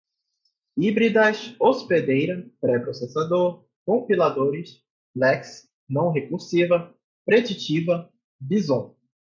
híbridas, hospedeira, pré-processador, compiladores, lex, não-recursiva, preditiva, bison